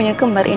dia sudah berubah